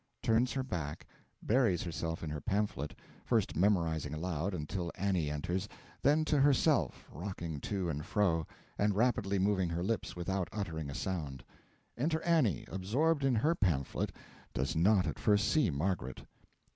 (Turns her back, buries herself in her pamphlet, first memorising aloud, until Annie enters, then to herself, rocking to and fro, and rapidly moving her lips, without uttering a sound.) Enter ANNIE, absorbed in her pamphlet does not at first see MARGARET.